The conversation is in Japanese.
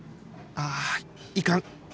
ああいかん！